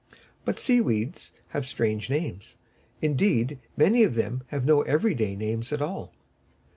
But sea weeds have strange names; indeed, many of them have no everyday names at all.